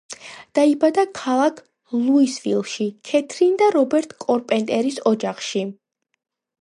დაიბადა ქალაქ ლუისვილში კეთრინ და რობერტ კარპენტერის ოჯახში.